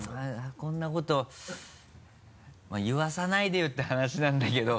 こんなことまぁ言わさないでよて話なんだけど。